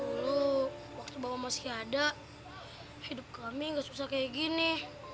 dulu waktu bapak masih ada hidup kami tidak susah seperti ini